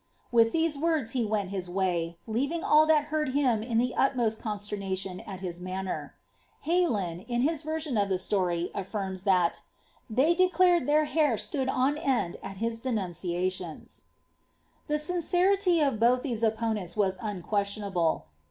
With ihfse words went his way, leaving nil that heard him in ihe utmost consternalion his manner. Heylin, in his yersrnn of the story, eflirniB ihtit '' the; lared iheir hair siood on end si his denunciations." The sinceriiy of both these opponenu was unquestionable.